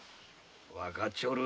分かっちょる。